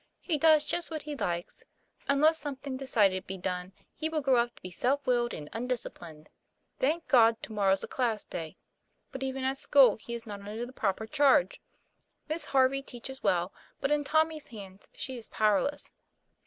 He does just what he likes. Unless something decided be done, he will grow up to be self willed and undisciplined. Thank God ! to morrow's a class day. But even at school he is not under the proper charge. Miss Harvey teaches well; but in Tommy's hands she is powerless."